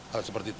hal seperti itu